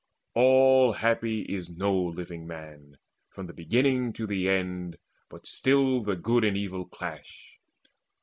All happy is no living man From the beginning to the end, but still The good and evil clash.